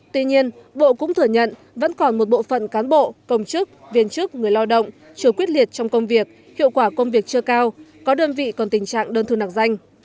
tuy nhiên bộ cũng thừa nhận vẫn còn một bộ phận cán bộ công chức viên chức người lao động chưa quyết liệt trong công việc hiệu quả công việc chưa cao có đơn vị còn tình trạng đơn thư nạc danh